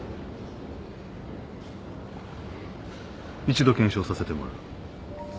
一度検証させてもらう。